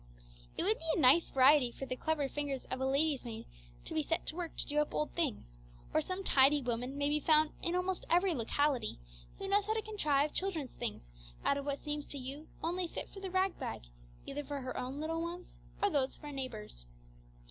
It would be a nice variety for the clever fingers of a lady's maid to be set to work to do up old things; or some tidy woman may be found in almost every locality who knows how to contrive children's things out of what seems to you only fit for the rag bag, either for her own little ones or those of her neighbours.